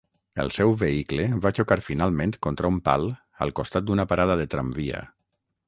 El seu vehicle va xocar finalment contra un pal al costat d'una parada de tramvia.